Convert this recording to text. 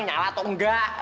nyala atau enggak